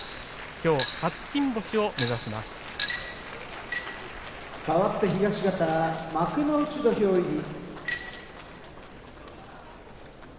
きょう初金星を目指します。かわって東方幕内土俵入り。